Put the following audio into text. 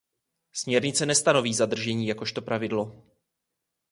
Směrnice nestanoví zadržení jakožto pravidlo.